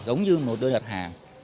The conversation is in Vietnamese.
giống như một đơn đặt hàng